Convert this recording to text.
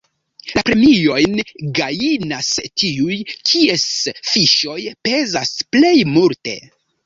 La premiojn gajnas tiuj, kies fiŝoj pezas plej multe.